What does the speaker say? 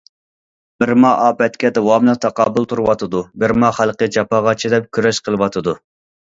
بىرما ئاپەتكە داۋاملىق تاقابىل تۇرۇۋاتىدۇ، بىرما خەلقى جاپاغا چىداپ كۈرەش قىلىۋاتىدۇ.